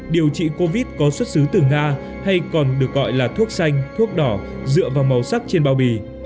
điều trị covid có xuất xứ từ nga hay còn được gọi là thuốc xanh thuốc đỏ dựa vào màu sắc trên bao bì